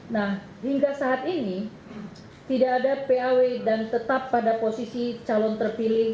nah hingga saat ini tidak ada paw dan tetap pada posisi calon terpilih